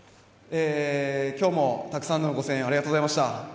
今日もたくさんのご声援ありがとうございました。